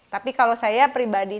tapi kalau saya pribadi